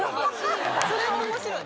それも面白い。